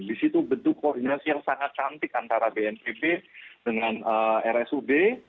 di situ bentuk koordinasi yang sangat cantik antara bnpb dengan rsud